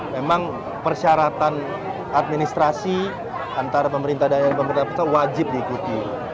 memang persyaratan administrasi antara pemerintah dan pemerintah pusat wajib diikuti